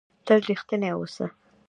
تل رښتنی اوسهٔ.